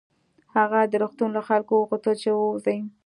هغه د روغتون له خلکو وغوښتل چې ووځي